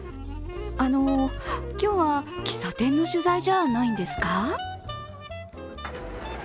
あの、今日は喫茶店の取材じゃないんですか？